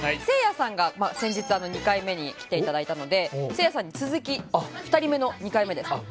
せいやさんが先日２回目に来て頂いたのでせいやさんに続き２人目の２回目です。